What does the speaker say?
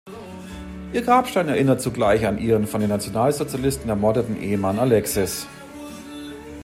Ihr Grabstein erinnert zugleich an ihren von den Nationalsozialisten ermordeten Ehemann Alexis.